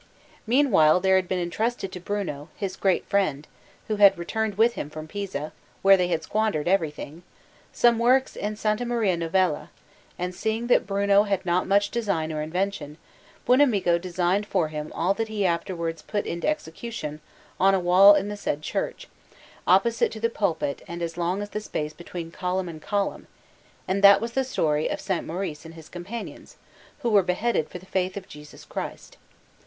Meanwhile there had been entrusted to Bruno, his great friend (who had returned with him from Pisa, where they had squandered everything), some works in S. Maria Novella, and seeing that Bruno had not much design or invention, Buonamico designed for him all that he afterwards put into execution on a wall in the said church, opposite to the pulpit and as long as the space between column and column, and that was the story of S. Maurice and his companions, who were beheaded for the faith of Jesus Christ.